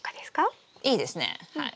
いいですねはい。